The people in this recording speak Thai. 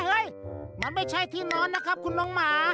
เฮ้ยมันไม่ใช่ที่นอนนะครับคุณน้องหมา